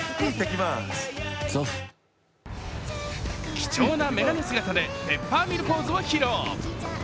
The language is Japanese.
貴重な眼鏡姿でペッパーミルポーズを披露。